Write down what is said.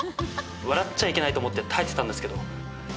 笑っちゃいけないと思って耐えてたんですけど。